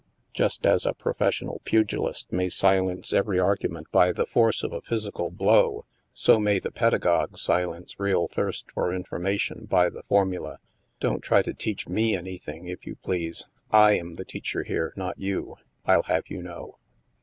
Just as a pro fessional pugilist may silence every argument by the \ 50 THE MASK force of a physical blow, so may the pedagogue si lence real thirst for information by the formula, " Don't try to teach me anything, if you please. / am the teacher here, not you. 111 have you know."